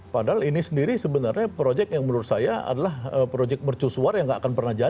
padahal ini sendiri sebenarnya proyek yang menurut saya adalah proyek mercusuar yang nggak akan pernah jadi